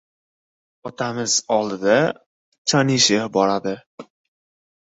Otamiz oldida Chanishev boradi.